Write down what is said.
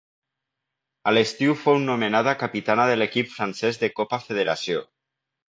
A l'estiu fou nomenada capitana de l'equip francès de Copa Federació.